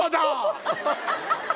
ハハハハ！